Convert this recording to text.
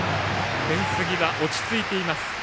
フェンス際、落ち着いています。